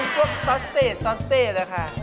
พวกซอสเซเลยค่ะ